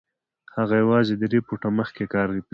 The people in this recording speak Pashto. هغه يوازې درې فوټه مخکې کار پرېښی و.